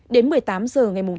đến một mươi tám h ngày mùng năm